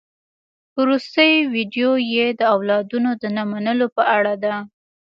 وروستۍ ويډيو يې د اولادونو د نه منلو په اړه ده.